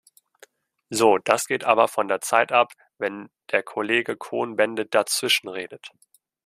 So, das geht aber von der Zeit ab, wenn der Kollege Cohn-Bendit dazwischenredet.